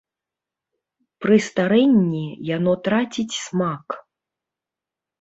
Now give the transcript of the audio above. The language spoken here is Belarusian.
Пры старэнні яно траціць смак.